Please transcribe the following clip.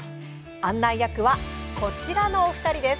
案内役はこちらのお二人です。